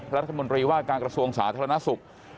รัฐมนตรีว่าการกระทรวงศาสตร์ธรรณาศุกรณ์